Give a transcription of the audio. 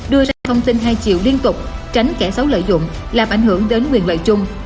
đưa ra thông tin hai chiều liên tục tránh kẻ xấu lợi dụng làm ảnh hưởng đến quyền lợi chung